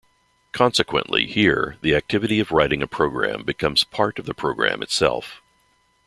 Consequently, here, the activity of writing a program becomes part of the program itself.